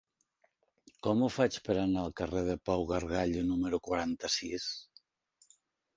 Com ho faig per anar al carrer de Pau Gargallo número quaranta-sis?